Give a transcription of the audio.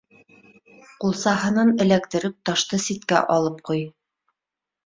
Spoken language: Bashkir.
Ҡулсаһынан эләктереп, ташты ситкә алып ҡуй.